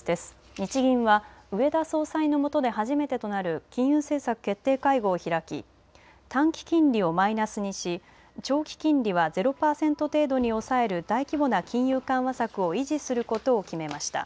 日銀は植田総裁のもとで初めてとなる金融政策決定会合を開き、短期金利をマイナスにし長期金利は０％程度に抑える大規模な金融緩和策を維持することを決めました。